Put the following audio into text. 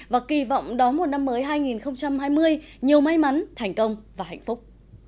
và kỳ vọng đóng một năm mới hai nghìn hai mươi nhiều may mắn thành công và hạnh phúc